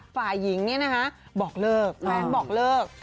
ฝ่ายหญิงเนี่ยนะคะบอกเลิกแฟนบอกเลิก